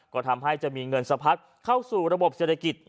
ก็ทำให้จะมีเงินสะพัดเข้าสู่ระบบเศรษฐกิจ